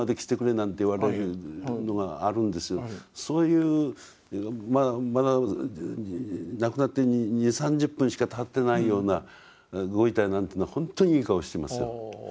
そういうまだ亡くなって２０３０分しかたってないようなご遺体なんていうのはほんとにいい顔をしてますよ。